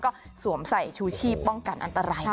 ก็สวมใส่ชูชีพป้องกันอันตราย